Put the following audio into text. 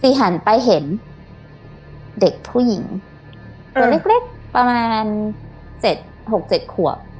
จีหันไปเห็นเด็กผู้หญิงตัวเล็กเล็กประมาณเจ็ดหกเจ็ดขัว